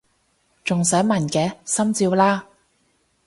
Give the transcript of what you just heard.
仲使問嘅！心照啦！